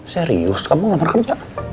serius kamu ngelamar kerja